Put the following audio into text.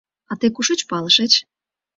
А тый кушеч палышыч?